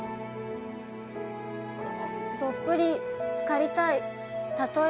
どっぷりつかりたいたとえ